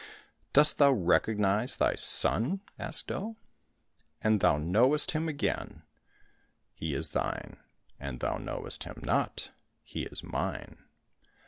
" Dost thou recognize thy son ?" asked Oh. '' An thou knowest him again, he is thine ; an thou knowest him not, he is mine."